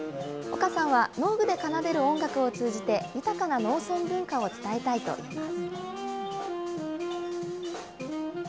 岡さんは、農具で奏でる音楽を通じて、豊かな農村文化を伝えたいといいます。